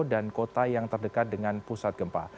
dan kota yang terdekat dengan pusat gempa